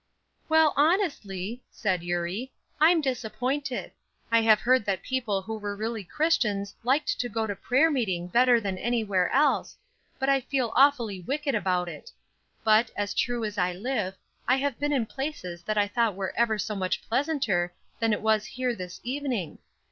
"Well, honestly," said Eurie, "I'm disappointed. I have heard that people who were really Christians liked to go to prayer meeting better than anywhere else, but I feel awfully wicked about it. But, as true as I live, I have been in places that I thought were ever so much pleasanter than it was there this evening.